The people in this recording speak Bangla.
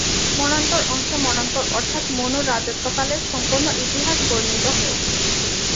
মন্বন্তর অংশে মন্বন্তর অর্থাৎ মনুর রাজত্বকালের সম্পূর্ণ ইতিহাস বর্ণিত হয়েছে।